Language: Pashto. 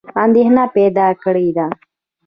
اندېښنه پیدا کړې ده.